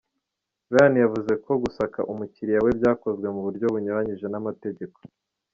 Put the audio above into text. Ryan yavuze ko gusaka umukiliya we byakozwe mu buryo bunyuranyije n’amategeko.